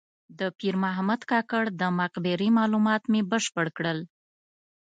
د پیر محمد کاکړ د مقبرې معلومات مې بشپړ کړل.